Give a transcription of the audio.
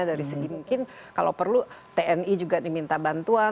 dari segi mungkin kalau perlu tni juga diminta bantuan